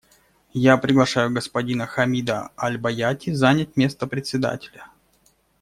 Я приглашаю господина Хамида аль-Баяти занять место Председателя.